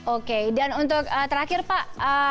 oke dan untuk terakhir pak